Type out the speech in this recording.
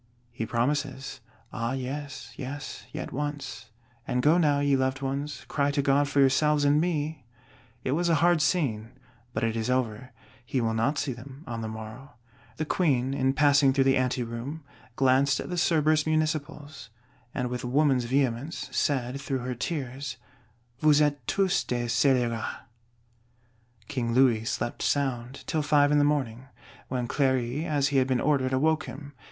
He promises: Ah yes, yes; yet once; and go now, ye loved ones; cry to God for yourselves and me! It was a hard scene, but it is over. He will not see them on the morrow. The Queen, in passing through the ante room, glanced at the Cerberus Municipals; and with woman's vehemence, said through her tears, "Vous êtes tous des scélérats". King Louis slept sound, till five in the morning, when Cléry, as he had been ordered, awoke him.